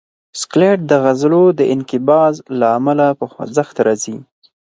سکلیټ د عضلو د انقباض له امله په خوځښت راځي.